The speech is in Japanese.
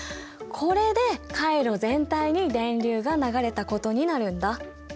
これで回路全体に電流が流れたことになるんだ。